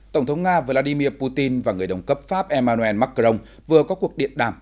tổng thống nga vladimir putin và người đồng cấp pháp emmanuel macron vừa có cuộc điện đàm